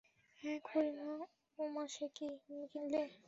-হ্যাঁ খুড়িমা, ওমা সেকি, তুমি কিনলে?